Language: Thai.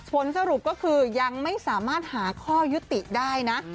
ผลสรุปก็คือยังไม่สามารถหาข้อยุติได้นะ